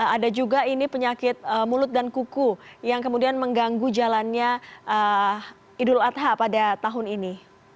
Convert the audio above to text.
ada juga ini penyakit mulut dan kuku yang kemudian mengganggu jalannya idul adha pada tahun ini